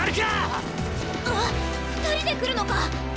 わっ２人で来るのか！